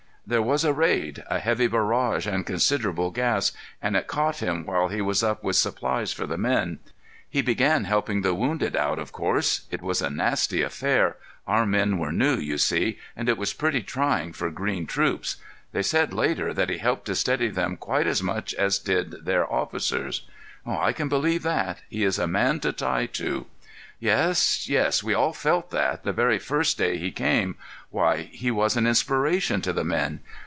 "There was a raid—a heavy barrage and considerable gas—and it caught him while he was up with supplies for the men. He began helping the wounded out, of course. It was a nasty affair—our men were new, you see, and it was pretty trying for green troops. They said, later, that he helped to steady them quite as much as did their officers." "I can believe that. He's a man to tie to." "Yes, yes. We all felt that, the very first day he came. Why, he was an inspiration to the men!